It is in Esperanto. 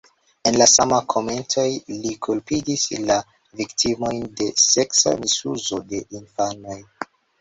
En la samaj komentoj li kulpigis la viktimojn de seksa misuzo de infanoj.